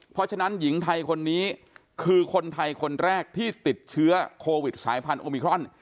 เพราะฉะนั้นหญิงไทยคนนี้คือคนไทยคนแรกที่ติดเชื้อโควิดสายพันธุมิครอน